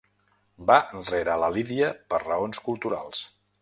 Va rere la Lídia per raons culturals.